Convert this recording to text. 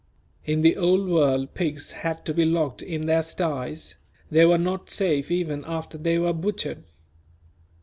In the Old World pigs had to be locked in their sties; they were not safe even after they were butchered.